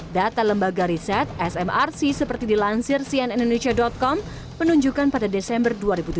data lembaga riset smrc seperti dilansir cnn indonesia com menunjukkan pada desember dua ribu tujuh belas